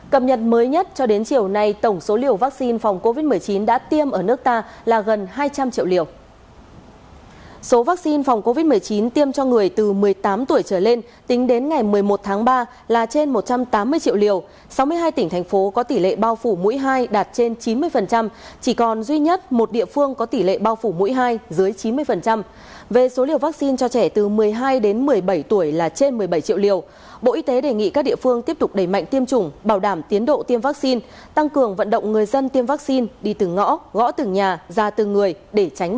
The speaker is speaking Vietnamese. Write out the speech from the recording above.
cập nhật mới nhất cho đến chiều nay tổng số liều vắc xin phòng covid một mươi chín đã tiêm ở nước ta là gần hai trăm linh triệu liều